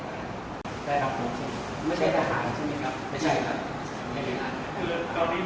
เอาคุณไม่ได้สระหาใช่มั้ยครับ